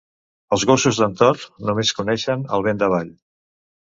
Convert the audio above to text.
Els gossos d'en Tort només coneixen el vent d'avall.